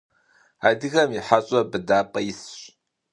Адыгэм и хьэщӀэ быдапӀэ исщ.